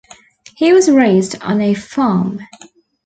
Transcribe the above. He was raised on a farm.